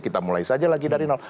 kita mulai saja lagi dari